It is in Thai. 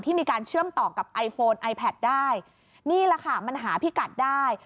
มีการเชื่อมต่อกับไอโฟนไอแพทได้นี่แหละค่ะมันหาพิกัดได้